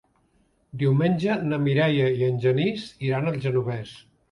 Diumenge na Mireia i en Genís iran al Genovés.